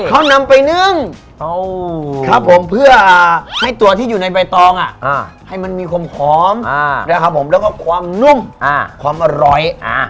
เขานำไปนึ่งครับผมเพื่อให้ตัวที่อยู่ในใบตองให้มันมีความหอมนะครับผมแล้วก็ความนุ่มความอร่อย